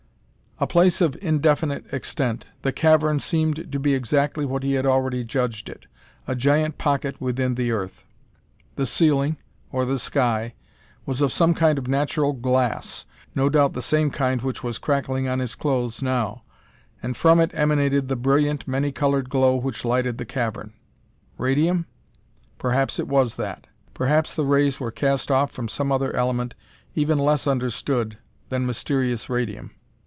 A place of indefinite extent, the cavern seemed to be exactly what he had already judged it a giant pocket within the earth. The ceiling, or the sky, was of some kind of natural glass no doubt the same kind which was crackling on his clothes now and from it emanated the brilliant, many colored glow which lighted the cavern. Radium? Perhaps it was that. Perhaps the rays were cast off from some other element even less understood than mysterious radium.